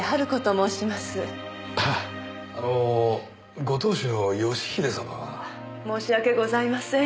申し訳ございません。